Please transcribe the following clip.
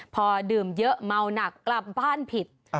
พอดื่มเยอะเมาหนักกลับบ้านผิด